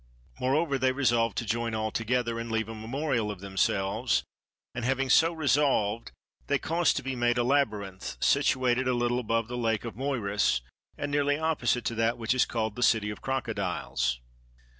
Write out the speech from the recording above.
Moreover they resolved to join all together and leave a memorial of themselves; and having so resolved they caused to be made a labyrinth, situated a little above the lake of Moiris and nearly opposite to that which is called the City of Crocodiles.